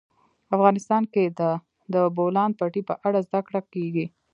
افغانستان کې د د بولان پټي په اړه زده کړه کېږي.